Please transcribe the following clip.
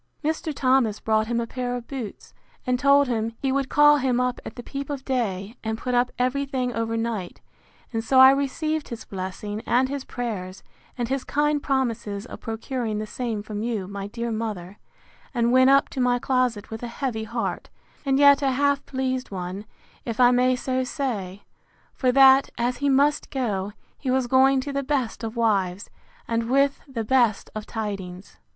Mr. Thomas brought him a pair of boots, and told him, He would call him up at peep of day, and put up every thing over night; and so I received his blessing, and his prayers, and his kind promises of procuring the same from you, my dear mother; and went up to my closet with a heavy heart, and yet a half pleased one, if I may so say; for that, as he must go, he was going to the best of wives, and with the best of tidings.